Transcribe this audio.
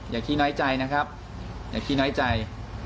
ขี้น้อยใจนะครับอย่าขี้น้อยใจ